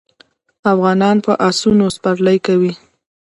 افغانان په اسونو سپرلي کوي.